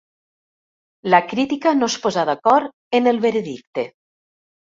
La crítica no es posà d'acord en el veredicte.